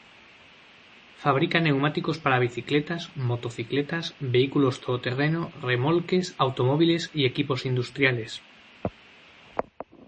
Fabrica neumáticos para bicicletas, motocicletas, vehículos todo terreno, remolques, automóviles y equipos industriales.